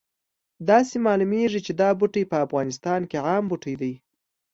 داسې معلومیږي چې دا بوټی په افغانستان کې عام بوټی دی